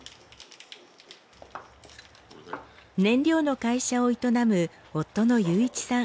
燃料の会社を営む夫の雄一さん